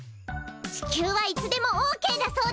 地球はいつでもオーケーだそうです！